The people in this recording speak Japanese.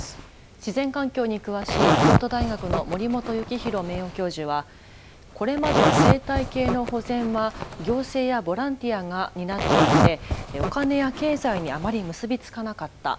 自然環境に詳しい京都大学の森本幸裕名誉教授はこれまで生態系の保全は行政やボランティアが担っていてお金や経済にあまり結び付かなかった。